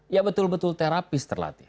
ya betul betul terapis terlatih